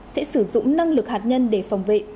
sẽ sử dụng năng lực hạt nhân để phòng vệ